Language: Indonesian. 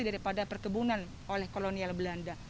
daripada perkebunan oleh kolonial belanda